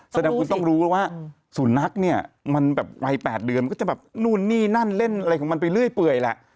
แสดงคุณต้องรู้แล้วว่าสุนัขเนี่ยมันแบบวัย๘เดือนมันก็จะแบบนู่นนี่นั่นเล่นอะไรของมันไปเรื่อยเปื่อยแหละ